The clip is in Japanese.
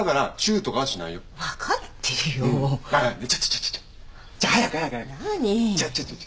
ちょっとちょっと。